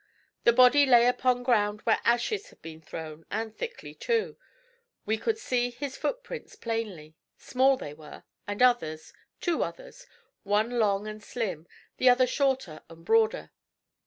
The body lay upon ground where ashes had been thrown, and thickly too. We could see his footprints plainly. Small they were, and others two others one long and slim, the other shorter and broader.